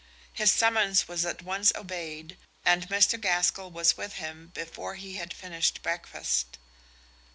His summons was at once obeyed, and Mr. Gaskell was with him before he had finished breakfast.